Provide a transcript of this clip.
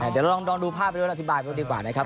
เดี๋ยวเราลองดูภาพไปด้วยอธิบายบ้างดีกว่านะครับ